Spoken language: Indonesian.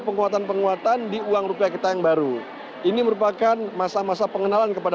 penguatan penguatan di uang rupiah kita yang baru ini merupakan masa masa pengenalan kepada